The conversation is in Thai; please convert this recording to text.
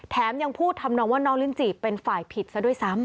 ยังพูดทำนองว่าน้องลิ้นจี่เป็นฝ่ายผิดซะด้วยซ้ำ